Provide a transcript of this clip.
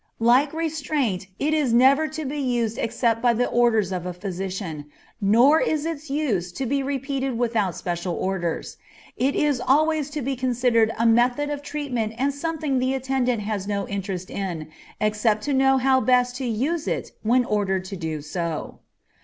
_ Like restraint it is never to be used except by the orders of a physician, nor is its use to be repeated without special orders; it is always to be considered a method of treatment and something the attendant has no interest in, except to know how best to use it when ordered to do so.